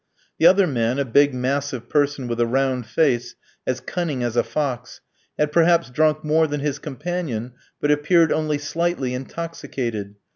The other man, a big, massive person, with a round face, as cunning as a fox, had perhaps drunk more than his companion, but appeared only slightly intoxicated.